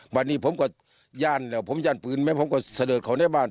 วันนี้ผมก็ย่านแล้วผมย่านปืนไหมผมก็เสดิร์ดเขาในบ้าน